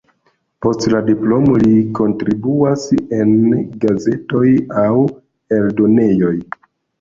Post la diplomo li kontribuas en gazetoj aŭ eldonejoj.